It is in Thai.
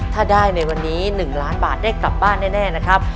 ถ้าได้ในวันนี้๑ล้านบาทได้กลับบ้านแน่นะครับ